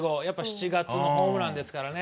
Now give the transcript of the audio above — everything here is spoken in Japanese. ７月のホームランですからね。